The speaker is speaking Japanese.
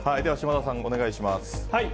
島田さん、お願いします。